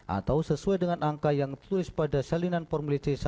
atau sesuai dengan angka yang tulis pada salinan formulir c satu